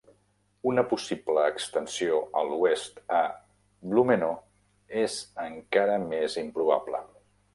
Una possible extensió a l'oest a "Blumenau" és encara més improbable.